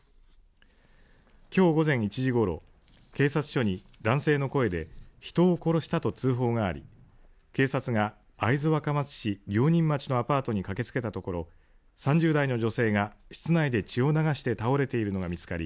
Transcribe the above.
きょう午前１時ごろ、警察署に男性の声で人を殺したと通報があり警察が会津若松市行仁町のアパートに駆けつけたところ３０代の女性が室内で血を流して倒れているのが見つかり